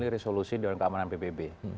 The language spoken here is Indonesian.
resolusi dewan keamanan pbb